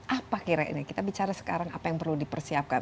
apa kira kira kita bicara sekarang apa yang perlu dipersiapkan